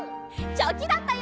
チョキだったよ。